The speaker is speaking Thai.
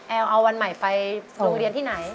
เอาวันใหม่ไปโรงเรียนที่ไหน